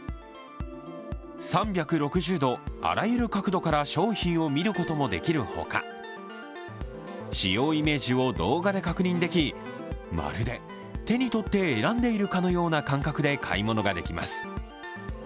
３６０度あらゆる角度から商品を見ることもできるほか使用イメージを動画で確認できまるで手に取って選んでいるかのような感覚で買い物ができます。